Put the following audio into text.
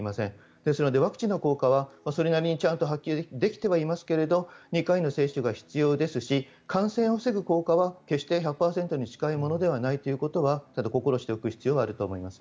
ですのでワクチンの効果はそれなりにちゃんと発揮できてはいますが２回の接種は必要ですし感染を防ぐ効果は決して１００％に近いものではないということは心しておく必要はあると思います。